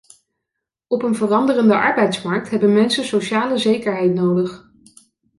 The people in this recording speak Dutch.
Op een veranderende arbeidsmarkt hebben mensen sociale zekerheid nodig.